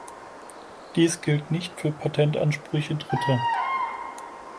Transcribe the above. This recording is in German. Dies gilt nicht für Patentansprüche Dritter.